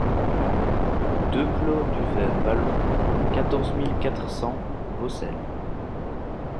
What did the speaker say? deux clos du Vert Vallon, quatorze mille quatre cents Vaucelles